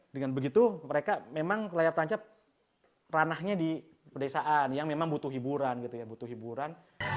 dengan begitu memang layar tancap ranahnya di pedesaan yang memang butuh hiburan